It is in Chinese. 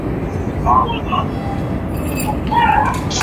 信浓町是位于长野县北部上水内郡的一町。